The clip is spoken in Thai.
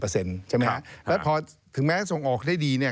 แล้วพอถึงแม้ส่งออกได้ดีเนี่ย